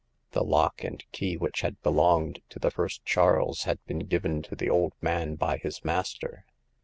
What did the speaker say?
The lock and key which had belonged to the First Charles had been given to the old man by his master.